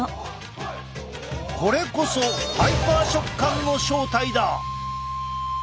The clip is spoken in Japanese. これこそハイパー食感の正体だ！